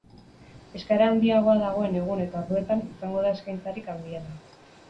Eskaera handiagoa dagoen egun eta orduetan izango da eskaintzarik handiena.